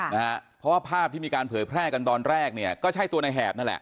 นะฮะเพราะว่าภาพที่มีการเผยแพร่กันตอนแรกเนี่ยก็ใช่ตัวในแหบนั่นแหละ